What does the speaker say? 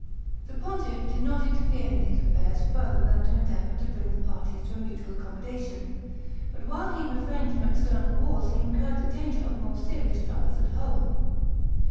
The pontiff did not interfere in these affairs further than to endeavor to bring the parties to a mutual accommodation; but while he refrained from external wars he incurred the danger of more serious troubles at home.